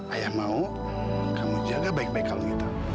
ayah mau kamu jaga baik baik kalung itu